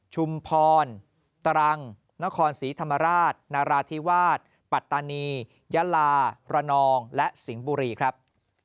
ชุมพรตรังนครศรีธรรมราชนราธิวาสปัตตานียะลาระนองและสิงห์บุรีครับ